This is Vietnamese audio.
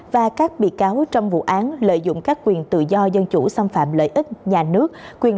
và các bị cáo trong vụ án lợi dụng các quyền tự do dân chủ xâm phạm lợi ích nhà nước quyền